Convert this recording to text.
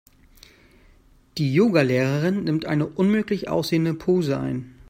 Die Yoga-Lehrerin nimmt eine unmöglich aussehende Pose ein.